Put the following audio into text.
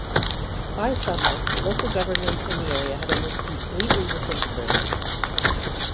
By summer, local government in the area had almost completely disintegrated.